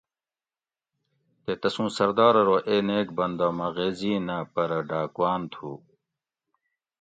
تے تسوں سردار ارو اے نیک بندہ مہ غیزی نہ پرہ ڈاکواۤن تھو